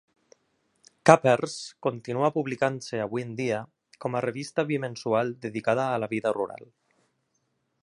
"Capper's" continua publicant-se avui en dia com a revista bimensual dedicada a la vida rural.